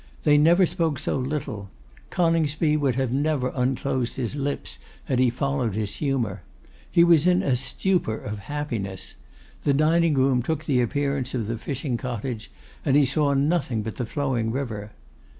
They never spoke so little; Coningsby would have never unclosed his lips, had he followed his humour. He was in a stupor of happiness; the dining room took the appearance of the fishing cottage; and he saw nothing but the flowing river.